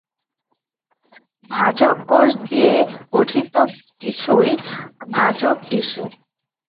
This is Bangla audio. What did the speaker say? ভাজক কোষ দিয়ে গঠিত টিস্যুই ভাজক টিস্যু।